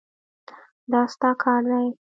دا ستا کار دی.